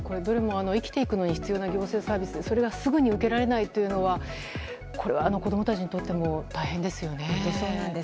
生きていくのに必要な行政サービスでそれがすぐに受けられないというのは子供たちにとっても大変ですよね。